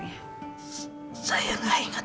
nanti aku parrionnya akan selamat